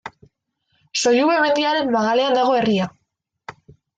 Sollube mendiaren magalean dago herria.